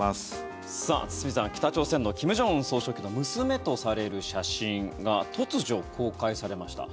堤さん、北朝鮮の金正恩総書記の娘とされる写真が突如公開されました。